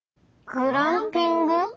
グランピング？